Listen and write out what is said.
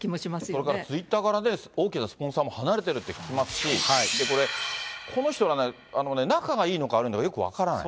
それからツイッターから大きなスポンサーも離れてるって聞きますし、これ、この人ら、仲がいいのか悪いのかよく分からない。